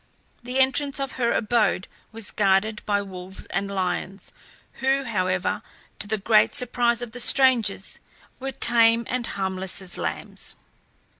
The entrance to her abode was guarded by wolves and lions, who, however, to the great surprise of the strangers, were tame and harmless as lambs.